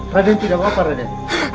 raden tidak wapar raden